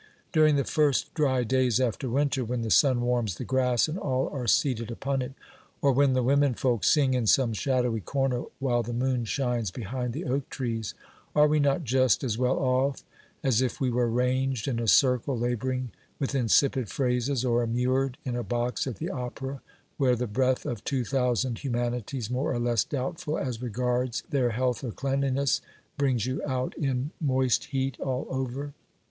During the first dry days after winter, when the sun warms the grass and all are seated upon it, or when the women folk sing in some shadowy corner, while the moon shines behind the oak trees, are we not just as well off as if we were ranged in a circle labouring with in sipid phrases, or immured in a box at the opera, where the breath of two thousand humanities, more or less doubtful as regards their health or cleanliness, brings you out in moist heat all over.